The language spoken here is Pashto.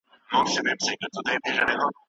هغه سروې،